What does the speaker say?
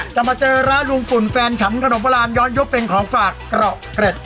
จะมาเจอร้านลุงฝุ่นแฟนฉันขนมโบราณย้อนยุคเป็นของฝากเกราะเกร็ด